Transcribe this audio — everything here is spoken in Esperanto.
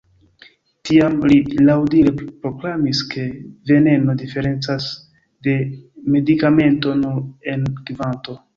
Tiam li laŭdire proklamis, ke "veneno diferencas de medikamento nur en kvanto".